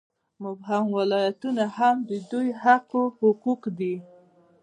مبهم ولایتونه هم د دوی حقه حقوق دي.